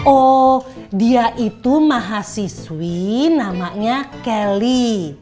oh dia itu mahasiswi namanya kelly